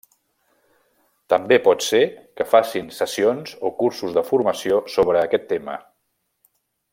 També pot ser que facin sessions o cursos de formació sobre aquest tema.